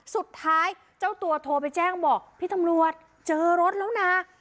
เจ้าตัวโทรไปแจ้งบอกพี่ตำรวจเจอรถแล้วนะ